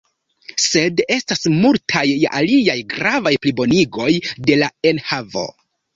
Sed estas multaj aliaj gravaj plibonigoj de la enhavo.